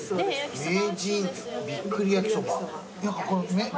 名人びっくり焼きそば。